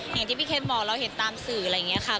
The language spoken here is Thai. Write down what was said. อย่างที่พี่เคนบอกเราเห็นตามสื่ออะไรอย่างนี้ค่ะ